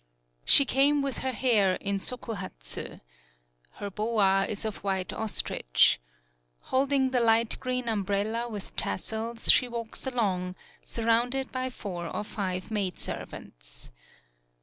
She came with her hair in Sokuhatsu. Her boa is of white ostrich. Holding the light green umbrella with tassels, she walks along, surrounded by four or five maidservants.